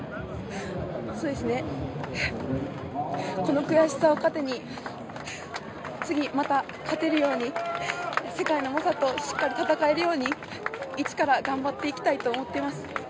この悔しさを糧に次、また勝てるように世界の猛者としっかり戦えるように一から頑張っていきたいと思っています。